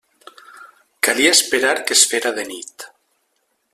Calia esperar que es fera de nit.